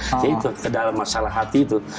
jadi ke dalam masalah hati itu